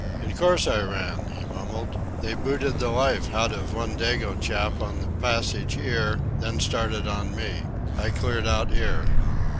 "In course I ran," he mumbled. "They booted the life hout of one Dago chap on the passage 'ere, then started on me. I cleared hout 'ere.